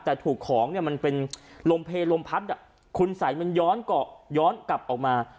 แต่ถูกของเนี่ยมันเป็นลมเพลลมพัดคุณสัยมันย้อนเกาะย้อนกลับออกมา